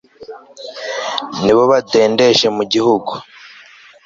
nibo badendeje mu gihugu